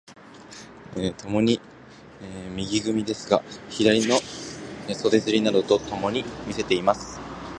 共に右組ですが、左の袖釣などをともに見せています。